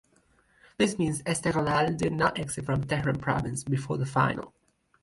This means Esteghlal did not exit from Tehran Province before the Final.